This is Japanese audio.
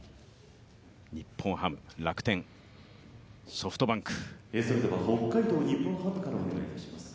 日本ハム、楽天、ソフトバンク。